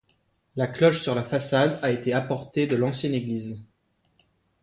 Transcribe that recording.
La cloche sur la façade a été apportée de l'ancienne église.